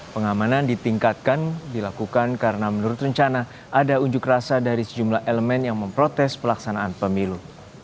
pengamanan ditingkatkan dilakukan karena menurut rencana ada unjuk rasa dari sejumlah elemen yang memprotes pelaksanaan pemilu